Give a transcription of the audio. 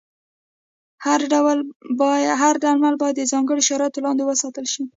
هر درمل باید د ځانګړو شرایطو لاندې وساتل شي.